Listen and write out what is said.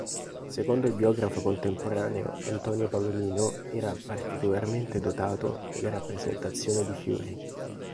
Secondo il biografo contemporaneo Antonio Palomino, era "particolarmente dotato" nella rappresentazione di fiori.